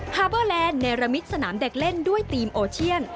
ฮาเบอร์แลนด์เนรมิตสนามเด็กเล่นด้วยทีมโอเชียน